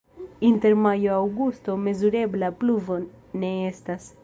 Inter majo-aŭgusto mezurebla pluvo ne estas.